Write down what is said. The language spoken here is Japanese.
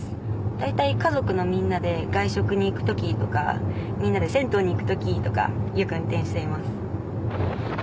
大体家族のみんなで外食に行くときとかみんなで銭湯に行くときとかよく運転しています。